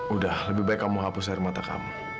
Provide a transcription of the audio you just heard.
udah lebih baik kamu hapus air mata kamu